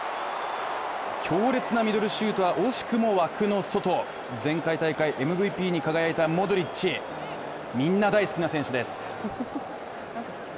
強烈なミドルシュートは惜しくも枠の外、前回大会ＭＶＰに輝いたモドリッチ、みんな大好きな選手です。